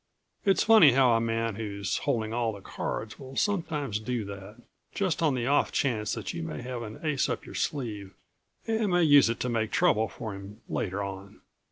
It's funny how a man who's holding all the cards will sometimes do that, just on the off chance that you may have an ace up your sleeve and may use it to make trouble for him later on.